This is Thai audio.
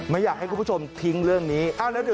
ไม่อยากให้คุณผู้ชมทิ้งเรื่องนี้